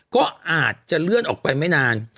ก็อาจจะเลื่อนออกไปไม่นาน